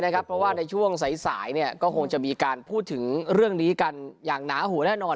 เพราะว่าในช่วงสายก็คงจะมีการพูดถึงเรื่องนี้กันอย่างหนาหัวแน่นอน